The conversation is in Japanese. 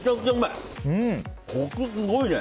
コクすごいね。